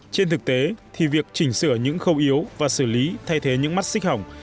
trên thực tế thì việc chỉnh sửa những khâu yếu và xử lý thay thế những mắt xích hỏng